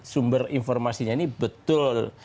sumber informasinya ini betul